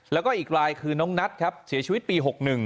แล้วก็อีกรายคือน้องนัทครับเสียชีวิตปี๖๑